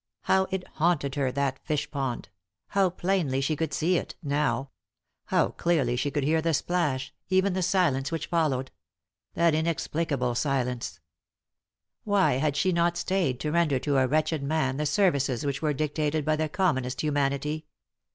How it haunted her, that fishpond ; bow plainly 3i 9 iii^d by Google THE INTERRUPTED KISS she could see it — now ; how clearly she could hear the splash — even the silence which followed ; that inexplicable silence. Why had she not stayed to render to a wretched man the services which were dictated by the commonest humanity